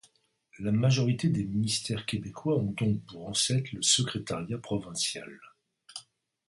La majorité des ministères québécois ont donc pour ancêtre le Secrétariat provincial.